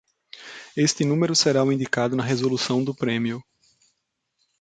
Este número será o indicado na resolução do prêmio.